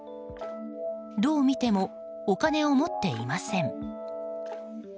どう見てもお金を持っていません。